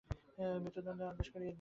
মৃত্যুদণ্ডের আদেশ করিয়া দিন।